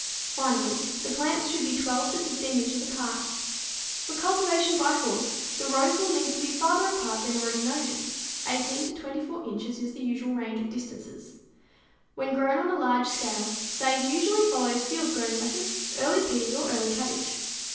Finally, the plants should be 12 to 15 inches apart. For cultivation by horse the rows will need to be farther apart than already noted; 18 to 24 inches is the usual range of distances. When grown on a large scale, sage usually follows field grown lettuce, early peas or early cabbage.